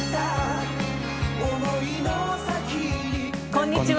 こんにちは。